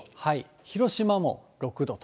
広島も６度と。